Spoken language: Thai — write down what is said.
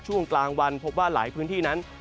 ช่วงกลางวันพบว่าหลายพื้นที่นั้น